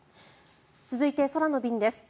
続いて空の便です。